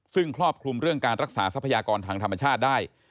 ซึ่งครอบคลุมเรื่องการรักษาทรัพยากรทางธรรมชาติได้